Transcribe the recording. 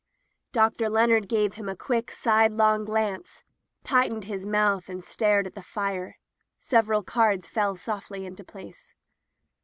Dr. Leonard gave him a quick, sidelong glance, tightened his mouth, and stared at the fire. Several cards fell softly into place.